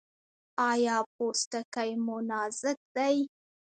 ایا پوستکی مو نازک دی؟